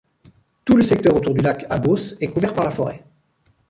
Tout le secteur autour du lac à Beauce est couvert par la forêt.